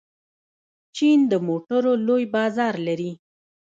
چین د موټرو لوی بازار لري.